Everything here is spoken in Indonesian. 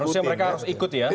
harusnya mereka harus ikut ya